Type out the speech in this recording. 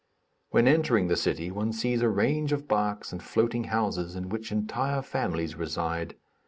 When entering the city one sees a range of barks and floating houses in which entire families reside.